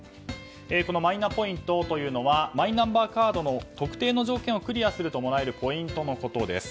このマイナポイントというのはマイナンバーカードの特定の条件をクリアするともらえるポイントのことです。